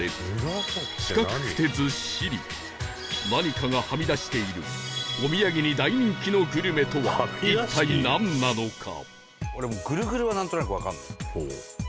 何かがはみ出しているお土産に大人気のグルメとは一体なんなのか？